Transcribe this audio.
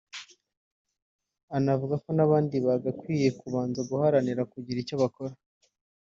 anavuga ko n’abandi bagakwiye kubanza guharanira kugira icyo bakora